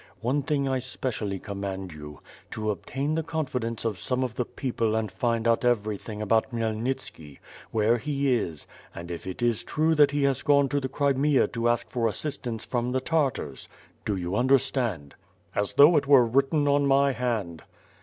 One thing I specially command you, to obtain the confidence of 3ome of the people and find out everything about Khmyelnitski, where he is, and if it is true that he has gone to the Crimea to ask for assist ance from the Tartars, do you understand?^' "As though it were written on my hand."